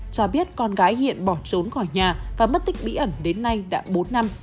cho biết con gái hiện bỏ trốn khỏi nhà và mất tích bí ẩn đến nay đã bốn năm